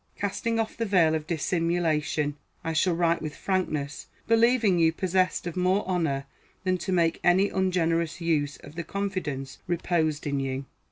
Casting off the veil of dissimulation, I shall write with frankness, believing you possessed of more honor than to make any ungenerous use of the confidence reposed in you.